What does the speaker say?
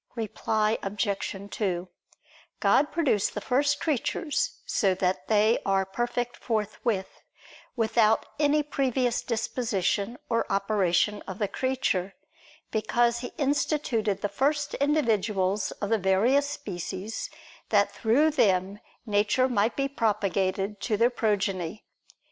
Reply Obj. 2: God produced the first creatures so that they are perfect forthwith, without any previous disposition or operation of the creature; because He instituted the first individuals of the various species, that through them nature might be propagated to their progeny.